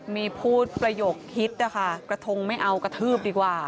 มีพูดประโยคฮิตนะคะกระทงไม่เอากระทืบดีกว่า